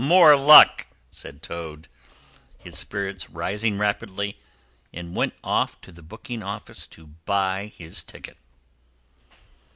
"More luck!" said Toad, his spirits rising rapidly, and went off to the booking office to buy his ticket.